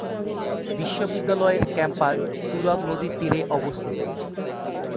বিশ্ববিদ্যালয়ের ক্যাম্পাস তুরাগ নদীর তীরে অবস্থিত।